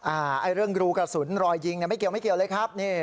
ไอ้เรื่องรูกระสุนรอยยิงเนี่ยไม่เกี่ยวไม่เกี่ยวเลยครับนี่